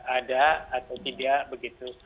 ada atau tidak begitu